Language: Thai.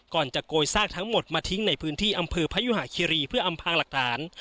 จะโกยซากทั้งหมดมาทิ้งในพื้นที่อำเภอพยุหาคิรีเพื่ออำพางหลักฐาน